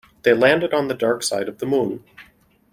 They landed on the dark side of the moon.